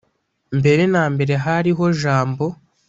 Mbere na mbere hariho Jambo